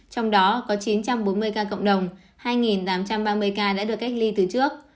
trong đó có chín trăm bốn mươi ca cộng đồng hai tám trăm ba mươi ca đã được cách ly từ trước